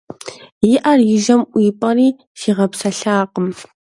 И Ӏэр и жьэм ӀуипӀэри сигъэпсэлъакъым.